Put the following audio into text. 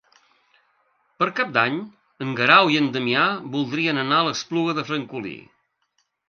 Per Cap d'Any en Guerau i en Damià voldrien anar a l'Espluga de Francolí.